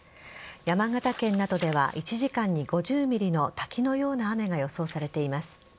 山形県などでは１時間に５０ｍｍの滝のような雨が予想されています。